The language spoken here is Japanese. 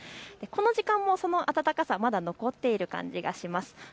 この時間もその暖かさ、まだ残っている感じがします。